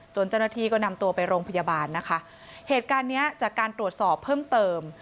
เจ้าหน้าที่ก็นำตัวไปโรงพยาบาลนะคะเหตุการณ์เนี้ยจากการตรวจสอบเพิ่มเติม